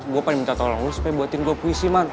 gue pengen minta tolong supaya buatin gue puisi man